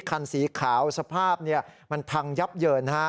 คันสีขาวสภาพมันพังยับเยิน